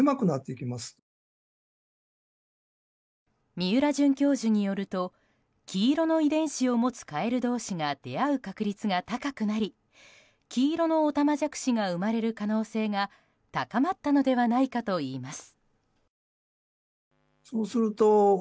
三浦准教授によると黄色の遺伝子を持つカエル同士が出会う確率が高くなり黄色のオタマジャクシが生まれる可能性が高まったのではないかといいます。